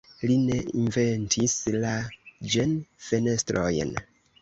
Li ne inventis la ĝen-fenestrojn.